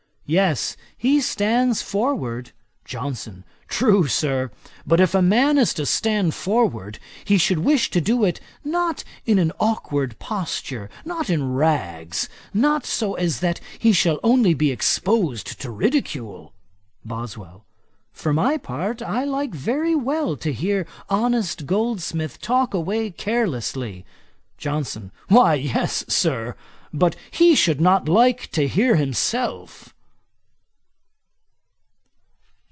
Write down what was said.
'Yes, he stands forward.' JOHNSON. 'True, Sir; but if a man is to stand forward, he should wish to do it not in an aukward posture, not in rags, not so as that he shall only be exposed to ridicule.' BOSWELL. 'For my part, I like very well to hear honest Goldsmith talk away carelessly.' JOHNSON. 'Why yes, Sir; but he should not like to hear himself.'